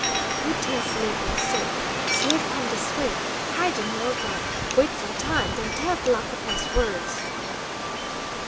"He tell slave what say. Slave come dis way. Hide in War God. Wait for time, den tell Tlacopa's words!"